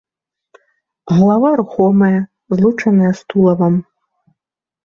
Галава рухомая, злучаная з тулавам.